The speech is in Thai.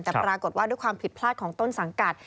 แต่ปรากฏว่าด้วยความผิดพลาดของต้นสังกัด